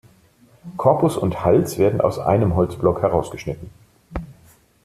Korpus und Hals werden aus einem Holzblock herausgeschnitten.